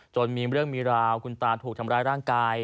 มีเรื่องมีราวคุณตาถูกทำร้ายร่างกาย